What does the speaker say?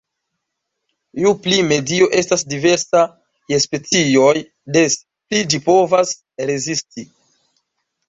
Ju pli medio estas diversa je specioj, des pli ĝi povas rezisti.